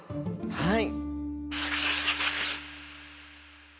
はい！